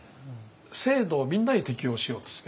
制度をみんなに適用しようとする。